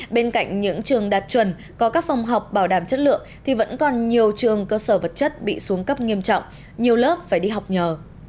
bên cạnh những trường đạt chuẩn có các phòng học bảo đảm chất lượng thì vẫn còn nhiều trường cơ sở vật chất bị xuống cấp nghiêm trọng nhiều lớp phải đi học nhờ